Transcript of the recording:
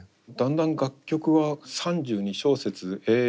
だんだん楽曲は３２小節